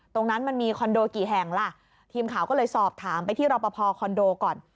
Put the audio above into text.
มันมีคอนโดกี่แห่งล่ะทีมข่าวก็เลยสอบถามไปที่รอปภคอนโดก่อน